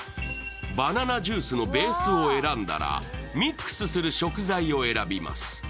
バナナジュースのベースを選んだらミックスする食材を選びます。